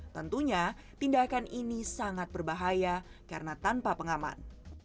tentunya tindakan ini sangat berbahaya karena tanpa pengaman